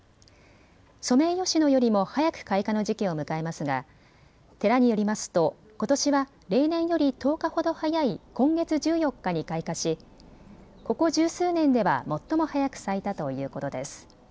ソメイヨシノよりも早く開花の時期を迎えますが寺によりますと、ことしは例年より１０日ほど早い今月１４日に開花しここ十数年では最も早く咲いたということです。